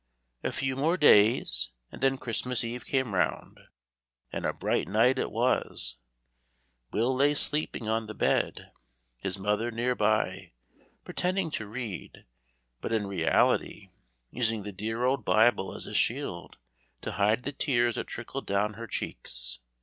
A few more days, and then Christmas Eve came round, and a bright night it was. Will lay sleeping on the bed, his mother near by, pretending to read, but in reality using the dear old Bible as a shield to hide the tears that trickled down her cheeks.